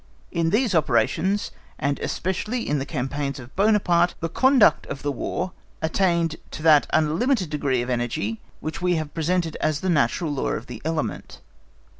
In these operations, and especially in the campaigns of Buonaparte, the conduct of War attained to that unlimited degree of energy which we have represented as the natural law of the element.